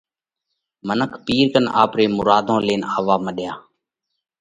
منک پِير ڪنَ آپري مُراڌون لينَ آوَووا مڏيا۔